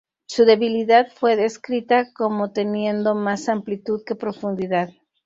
Su debilidad fue descrita como teniendo "más amplitud que profundidad".